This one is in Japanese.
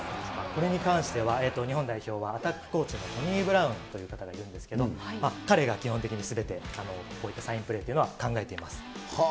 これに関しては日本代表はアタックコーチのトニー・ブラウンという方がいるんですけれども、彼が基本的にすべてこういったサインプレーというのは考えています。